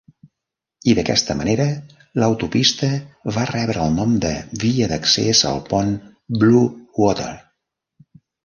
I d'aquesta manera, l'autopista va rebre el nom de Via d'accés al pont Blue Water.